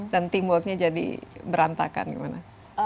dan teamworknya jadi berantakan gimana